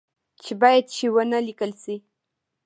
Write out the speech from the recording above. چې باید چي و نه لیکل شي